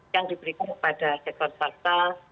yang diberikan kepada pemerintah